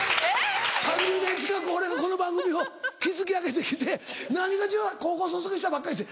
３０年近く俺がこの番組を築き上げてきて何が「高校卒業したばっかりです」